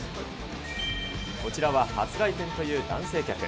こちらは初来店という男性客。